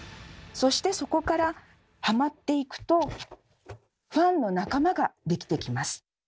そしてそこからハマっていくとファンの「仲間」ができてきます。